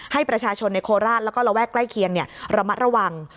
ให้ประชาชนในโคราชแล้วก็ระแวกใกล้เคียงระมัดระวัง